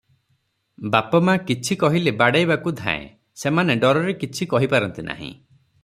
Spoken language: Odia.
ବାପ ମା କିଛି କହିଲେ ବାଡ଼େଇବାକୁ ଧାଏଁ, ସେମାନେ ଡରରେ କିଛି କହି ପାରନ୍ତି ନାହିଁ ।